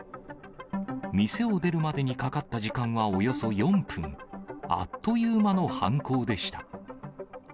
店を出るまでにかかった時間はおよそ４分、あっという間の犯行でした。